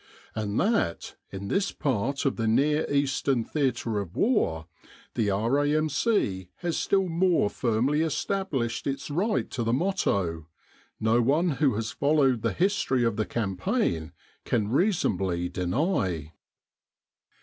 And that, in this part of the Near Eastern theatre of war, the R.A.M.C. has still more firmly established its right to the motto, no one who 302 "In Arduis Fidelis" has followed the history of the campaign can reason ably deny.